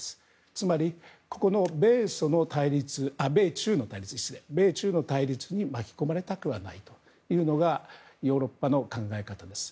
つまり、ここの米中の対立に巻き込まれたくはないというのがヨーロッパの考え方です。